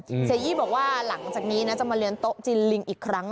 เสียยี่บอกว่าหลังจากนี้นะจะมาเรียนโต๊ะจีนลิงอีกครั้ง